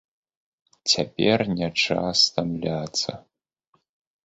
Цяпер не час стамляцца.